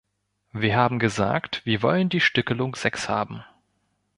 Wir haben gesagt, wir wollen die Stückelung sechs haben.